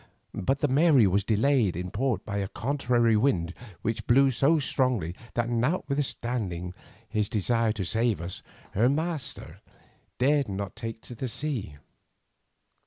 But the 'Mary' was delayed in port by a contrary wind which blew so strongly that notwithstanding his desire to save us, her master dared not take the sea.